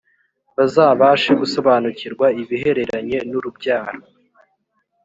bazabashe gusobanukirwa ibihereranye n’urubyaro